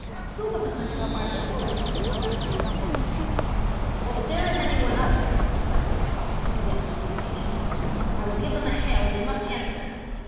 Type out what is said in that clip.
"Who but the hunter who fired the bullet?" replied the reporter. "Well, if there is any one up there," replied Pencroft, who began to lose patience, "I will give them a hail, and they must answer."